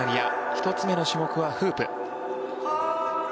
１つ目の種目はフープ。